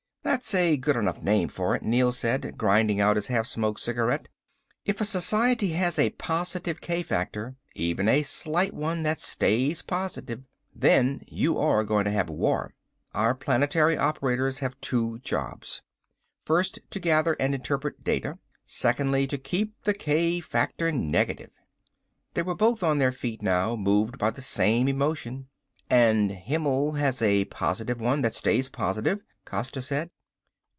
"That's a good enough name for it," Neel said, grinding out his half smoked cigarette. "If a society has a positive k factor, even a slight one that stays positive, then you are going to have a war. Our planetary operators have two jobs. First to gather and interpret data. Secondly to keep the k factor negative." They were both on their feet now, moved by the same emotion. "And Himmel has a positive one that stays positive," Costa said.